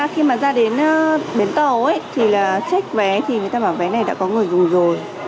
khi mà ra đến biển tàu ấy thì là check vé thì người ta bảo vé này đã có người dùng rồi